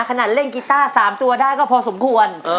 เล่นกีต้า๓ตัวได้ก็พอสมควร